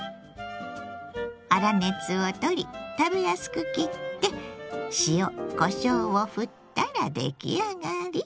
粗熱を取り食べやすく切って塩こしょうをふったら出来上がり。